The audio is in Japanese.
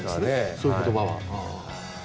そういう言葉は。